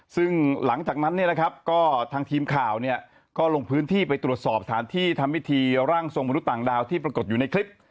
ซึ่งหลังจากนั้นก็ทางทีมข่าวก็ลงพื้นที่ไปตรวจสอบฐานที่ทำพิธีร่างสมมติต่างดาวที่ปรากฏอยู่ในคลิป